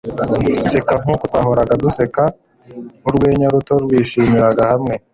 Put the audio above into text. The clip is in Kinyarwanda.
seka nkuko twahoraga duseka urwenya ruto twishimiraga hamwe